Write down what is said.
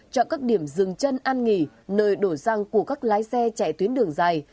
chọn các điểm dừng chân an nghỉ nơi đổ xăng của các lái xe chạy tuyến đường dài